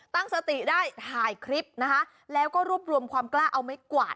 ตั้งสติได้ถ่ายคลิปนะคะแล้วก็รวบรวมความกล้าเอาไม้กวาด